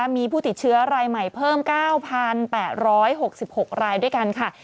มีผู้ติดเชื้อรายใหม่เพิ่ม๙๘๖๖รายด้วยกันค่ะ